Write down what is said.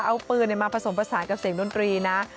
เอาปืนมาผสมผสานกับเสียงดนตรีนะ